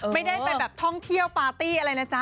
ไม่ได้ไปแบบท่องเที่ยวปาร์ตี้อะไรนะจ๊